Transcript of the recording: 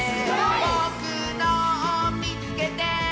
「ぼくのをみつけて！」